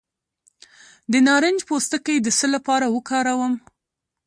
د نارنج پوستکی د څه لپاره وکاروم؟